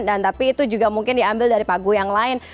tapi itu juga mungkin diambil dari pagu yang lain